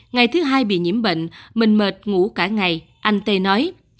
ngày thứ hai bị nhiễm bệnh mình mệt ngủ cả ngày anh tê nói